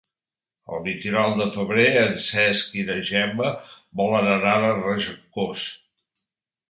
El vint-i-nou de febrer en Cesc i na Gemma volen anar a Regencós.